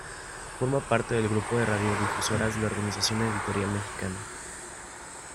Forma parte del grupo de radiodifusoras de la Organización Editorial Mexicana.